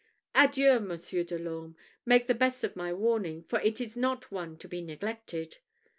Adieu, Monsieur de l'Orme; make the best of my warning, for it is one not to be neglected."